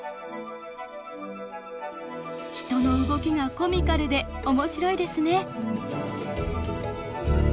人の動きがコミカルで面白いですね。